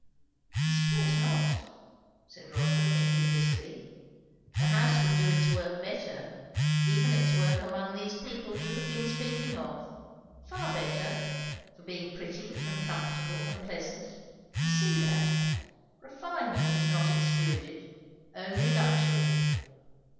"I suppose not," said Rotha, thinking busily. "The house would do its work better, even its work among these people you have been speaking of, far better, for being pretty and comfortable and pleasant. I see that. Refinement is not excluded, only luxury."